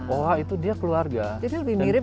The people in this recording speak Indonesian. oh itu dia keluarga jadi lebih mirip